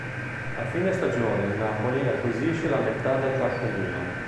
A fine stagione il Napoli acquisisce la metà del cartellino.